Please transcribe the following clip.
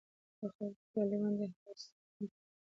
د خلکو په خوشحالۍ باندې حسد مکوئ